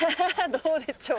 どうでちょう。